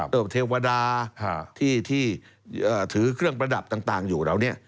เทวดาที่ถือเครื่องประดับต่างอยู่เหล่านี้